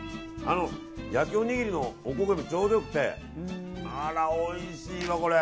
焼きおにぎりのおこげもちょうど良くてあら、おいしいわこれ。